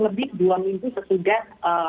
lebih dua minggu sesudah